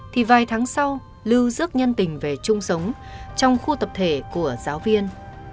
thì vài tháng sau lưu dước nhân tình về chung sống trong khu tập thể của giáo viên